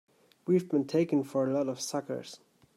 We've been taken for a lot of suckers!